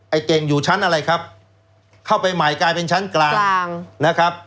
เก่งอยู่ชั้นอะไรครับเข้าไปใหม่กลายเป็นชั้นกลางกลางนะครับ